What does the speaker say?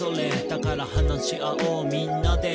「だから話し合おうみんなで」